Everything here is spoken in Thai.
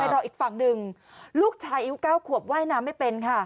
รออีกฝั่งหนึ่งลูกชายอายุ๙ขวบว่ายน้ำไม่เป็นค่ะ